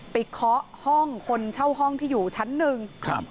เคาะห้องคนเช่าห้องที่อยู่ชั้นหนึ่งครับ